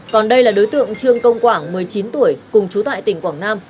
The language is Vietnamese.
còn đây là đối tượng trương công quảng một mươi chín tuổi cùng chú tại tỉnh quảng nam